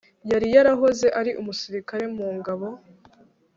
yari yarahoze ari umusirikare mu ngabo